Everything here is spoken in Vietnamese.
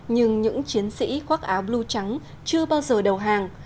nhưng những chiến sĩ khoác áo blue trắng chưa bao giờ đầu hàng